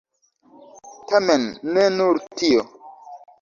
Tamen ne nur tio.